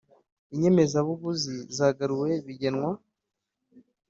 inyemezabuguzi zagaruwe bigenwa